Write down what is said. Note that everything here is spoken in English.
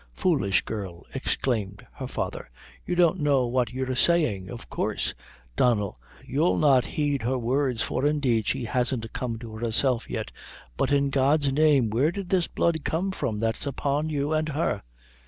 "Foolish girl!" exclaimed her father, "you don't know what you're sayin'. Of coorse, Donnel, you'll not heed her words for, indeed, she hasn't come to herself yet. But, in God's name, where did this blood come from that's upon you and her?"